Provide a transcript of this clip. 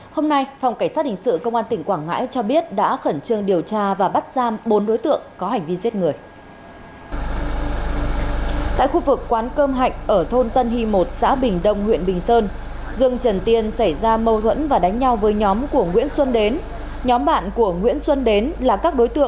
hãy đăng ký kênh để nhận thông tin nhất